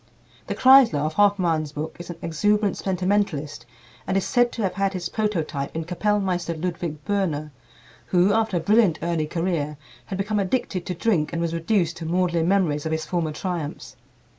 The Kreisler of Hoffmann's book is an exuberant sentimentalist, and is said to have had his prototype in Kapellmeister Ludwig Böhner, who, after a brilliant early career, had become addicted to drink and was reduced to maudlin memories of his former triumphs.